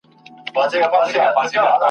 را تېر سوی وي په کلیو په بانډو کي !.